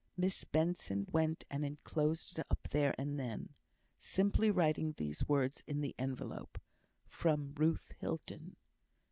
Miss Benson went and enclosed it up, there and then; simply writing these words in the envelope, "From Ruth Hilton."